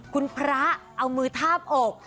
คุณพระเอามือทาบอก